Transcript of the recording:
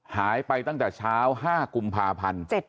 หายไปตั้งแต่เช้า๕กุมภาพันธ์